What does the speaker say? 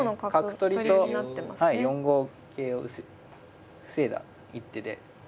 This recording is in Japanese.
角取りと４五桂を防いだ一手で。